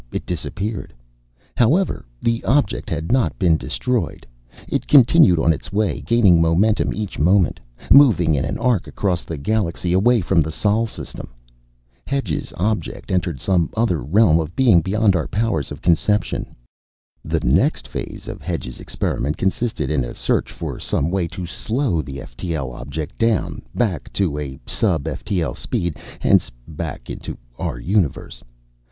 It disappeared. However, the object had not been destroyed. It continued on its way, gaining momentum each moment, moving in an arc across the galaxy, away from the Sol system. Hedge's object entered some other realm of being, beyond our powers of conception. The next phase of Hedge's experiment consisted in a search for some way to slow the ftl object down, back to a sub ftl speed, hence back into our universe.